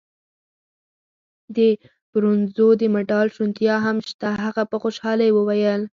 د برونزو د مډال شونتیا هم شته. هغه په خوشحالۍ وویل.